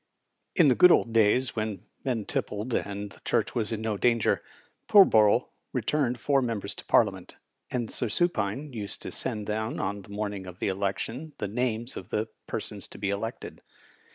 In the good old days, when men tippled more and the Church was in no danger, Pullborough returned four members to Parliament; and Sir Supine used to send down on the morning of the election the names of the persons to be elected.